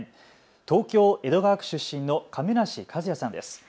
東京江戸川区出身の亀梨和也さんです。